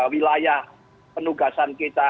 wilayah penugasan kita